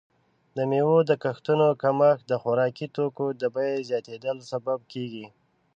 د میوو د کښتونو کمښت د خوراکي توکو د بیې زیاتیدل سبب کیږي.